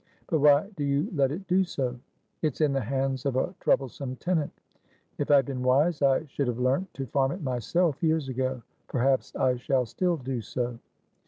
"But why do you let it do so?" "It's in the hands of a troublesome tenant. If I had been wise, I should have learnt to farm it myself, years ago. Perhaps I shall still do so."